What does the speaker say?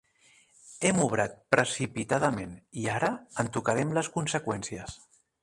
Hem obrat precipitadament, i ara en tocarem les conseqüències.